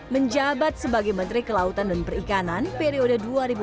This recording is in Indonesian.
menjabat sebagai menteri kelautan dan perikanan periode dua ribu empat belas dua ribu sembilan belas